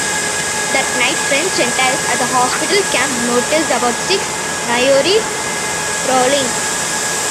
That night French sentries at the hospital camp noticed about six Maori prowling.